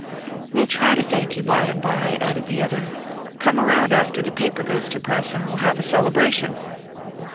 "We'll try to thank you by and by," added the other. "Come around after the paper goes to press, and we'll have a celebration."